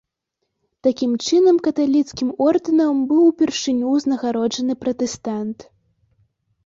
Такім чынам каталіцкім ордэнам быў упершыню ўзнагароджаны пратэстант.